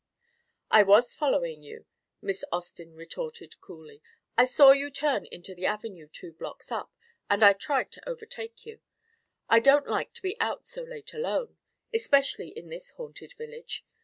"I was following you," Miss Austin retorted coolly. "I saw you turn into the Avenue two blocks up, and tried to overtake you I don't like to be out so late alone, especially in this haunted village.